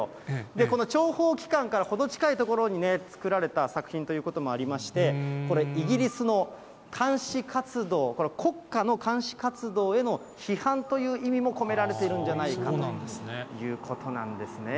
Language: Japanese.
この諜報機関から程近い所に作られた作品ということもありまして、これ、イギリスの監視活動、国家の監視活動への批判という意味も込められているんじゃないかということなんですね。